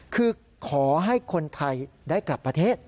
คือขอให้คนไทยได้กลับประเทศ